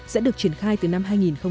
sẽ được triển khai từ năm hai nghìn hai mươi